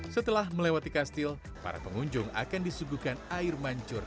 setelah melewati kastil para pengunjung akan disuguhkan air mancur